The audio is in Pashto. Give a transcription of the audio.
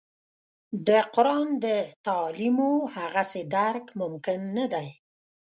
د قران د تعالیمو هغسې درک ممکن نه دی.